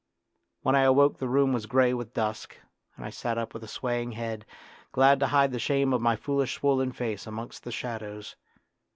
When I awoke the room was grey with dusk, and I sat up with a swaying head, glad to hide the shame of my foolish swollen face amongst the shadows.